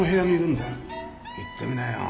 行ってみなよ。